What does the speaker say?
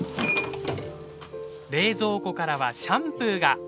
冷蔵庫からはシャンプーが。